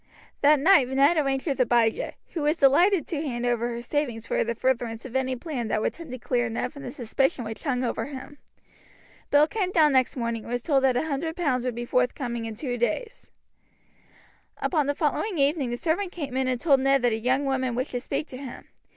That night Ned arranged with Abijah, who was delighted to hand over her savings for the furtherance of any plan that would tend to clear Ned from the suspicion which hung over him. Bill came down next morning, and was told that a hundred pounds would be forthcoming in two days. Upon the following evening the servant came in and told Ned that a young woman wished to speak to him.